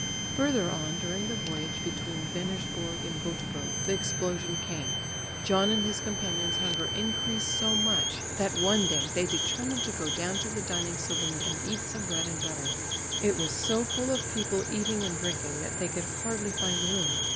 Further on during the voyage between Venersborg and Göteborg the explosion came. John and his companions' hunger increased so much that one day they determined to go down to the dining saloon and eat some bread and butter. It was so full of people eating and drinking that they could hardly find room.